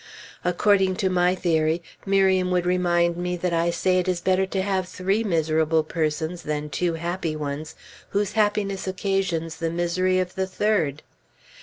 According to my theory, Miriam would remind me that I say it is better to have three miserable persons than two happy ones whose happiness occasions the misery of the third.